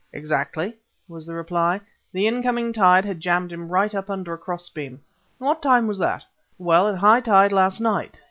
"Exactly" was the reply. "The in coming tide had jammed him right up under a cross beam." "What time was that?' "Well, at high tide last night.